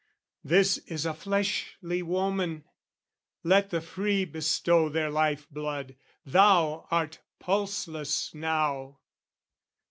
"This is a fleshly woman, let the free "Bestow their life blood, thou art pulseless now!"